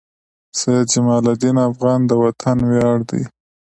سيد جمال الدین افغان د وطن وياړ دي.